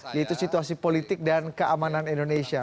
yaitu situasi politik dan keamanan indonesia